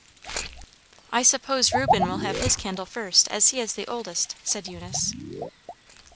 "I suppose Reuben will have his candle first, as he is the oldest," said Eunice.